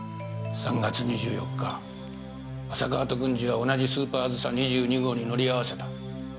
３月２４日浅川と軍司は同じスーパーあずさ２２号に乗り合わせた。